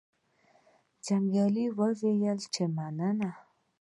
جنګیالي وویل چې مننه.